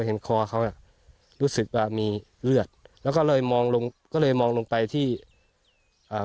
เห็นคอเขาอ่ะรู้สึกว่ามีเลือดแล้วก็เลยมองลงก็เลยมองลงไปที่อ่า